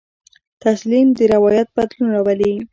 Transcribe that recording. تسلیم د روایت بدلون راولي.